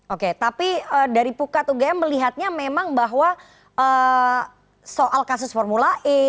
oke tapi dari puka tugm melihatnya memang bahwa soal kasus formula e